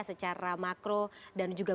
secara makro dan juga